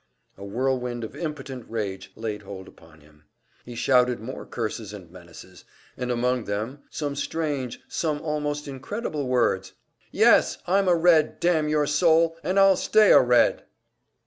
A whirlwind of impotent rage laid hold upon him. He shouted more curses and menaces, and among them some strange, some almost incredible words. "Yes, I'm a Red, damn your soul, and I'll stay a Red!"